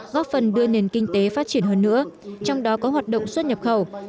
góp phần đưa nền kinh tế phát triển hơn nữa trong đó có hoạt động xuất nhập khẩu